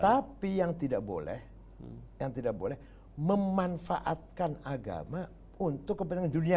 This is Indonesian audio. tapi yang tidak boleh yang tidak boleh memanfaatkan agama untuk kepentingan dunia